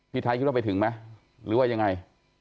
พี่ไทยคิดว่าไปถึงมั้ยหรือว่ายังไง